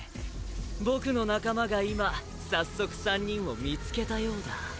僕の仲間が今早速３人を見つけたようだ。